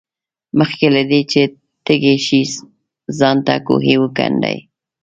مخکې له دې چې تږي شې ځان ته کوهی وکیندئ.